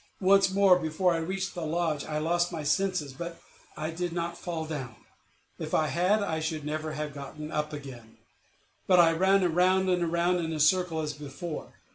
Once more, before I reached the lodge, I lost my senses; but I did not fall down; if I had, I should never have gotten up again; but I ran round and round in a circle as before.